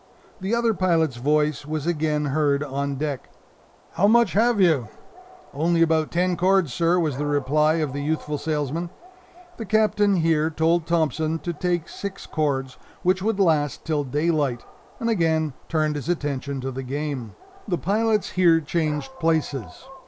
The other pilot's voice was again heard on deck "How much have you?" "Only about ten cords, sir," was the reply of the youthful salesman. The Captain here told Thompson to take six cords, which would last till daylight and again turned his attention to the game. The pilots here changed places.